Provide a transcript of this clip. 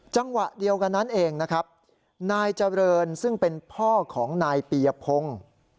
จังหวะเดียวกันนั้นเองนะครับนายเจริญซึ่งเป็นพ่อของนายปียพงศ์